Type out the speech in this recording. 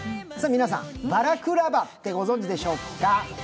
皆さん、バラクラバってご存じでしょうか。